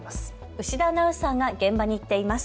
牛田アナウンサーが現場に行っています。